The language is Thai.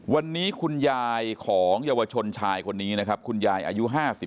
วันนี้คุณยายของเยาวชนชายคนนี้นะครับคุณยายอายุ๕๓